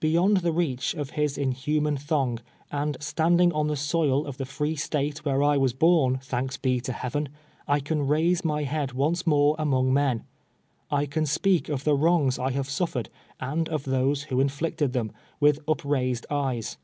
Beyond the reach of his inhuman thong, and stand ing on the soil of the free State where I was born, thanks be to Heaven, I can raise my head once more among men. I can speak of the wrongs I have suf fered, and of those who inflicted them, with uj^raised eyes.